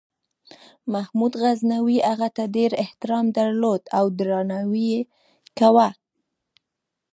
محمود غزنوي هغه ته ډېر احترام درلود او درناوی یې کاوه.